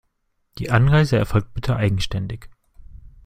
Die Anreise erfolgt bitte eigenständig.